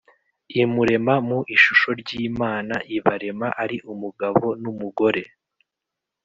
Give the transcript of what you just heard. imurema mu ishusho ry'Imana; ibarema ari umugabo n'umugore.